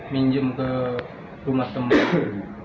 minjem ke rumah teman